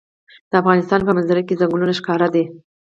د افغانستان په منظره کې ځنګلونه ښکاره ده.